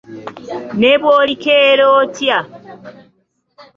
Ne bw’olikeera otya.